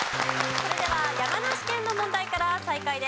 それでは山梨県の問題から再開です。